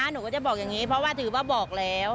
หนูก็จะบอกอย่างนี้เพราะว่าถือว่าบอกแล้ว